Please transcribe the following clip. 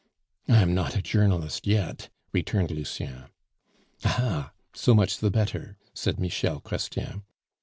"I am not a journalist yet," returned Lucien. "Aha! So much the better," said Michel Chrestien.